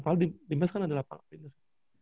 paling di mes kan ada lapangan fitness